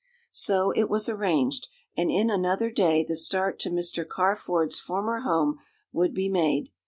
So it was arranged, and in another day the start to Mr. Carford's former home would be made.